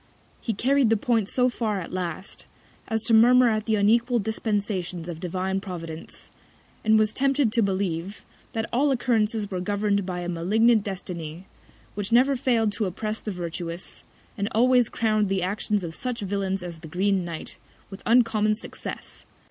He carried the Point so far at last, as to murmur at the unequal Dispensations of Divine Providence; and was tempted to believe, that all Occurrences were govern'd by a malignant Destiny, which never fail'd to oppress the Virtuous, and always crown'd the Actions of such Villains as the green Knight, with uncommon Success.